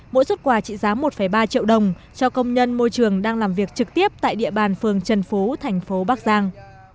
mỗi xuất quà trị giá một ba triệu đồng cho công nhân môi trường đang làm việc trực tiếp tại địa bàn phường trần phú thành phố bắc giang